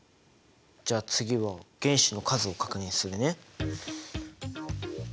じゃあ次は原子の数を確認するね。